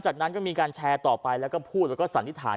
จากนั้นก็มีการแชร์ต่อไปแล้วก็พูดแล้วก็สันนิษฐาน